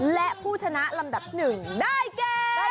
และผู้ชนะลำดับหนึ่งได้เก่